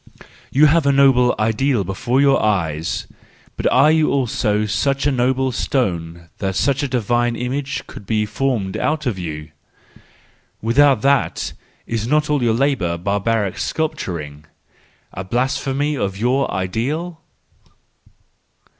—You have a noble ideal before your eyes: but are you also such a noble stone that such a divine image could be formed out of you ? And without that—is not all your labour barbaric sculpturing? A blasphemy of your ideal